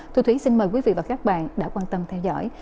thu phí xin mời quý vị và các bạn đã quan tâm theo dõi